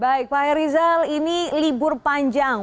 baik pak herizal ini libur panjang